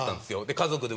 家族で。